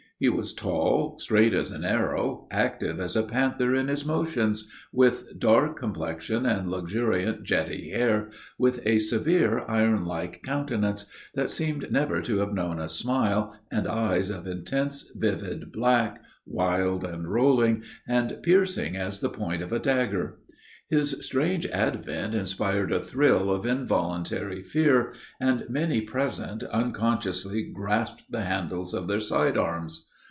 He was tall, straight as an arrow, active as a panther in his motions, with dark complexion, and luxuriant, jetty hair, with a severe, iron like countenance, that seemed never to have known a smile, and eyes of intense, vivid black, wild and rolling, and piercing as the point of a dagger. His strange advent inspired a thrill of involuntary fear, and many present unconsciously grasped the handles of their side arms.